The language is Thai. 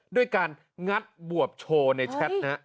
ด้วยการงัดบวบโชว์ในแชทนะฮะ